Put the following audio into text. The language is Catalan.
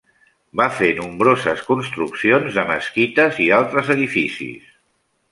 Va fer nombroses construccions de mesquites i altres edificis.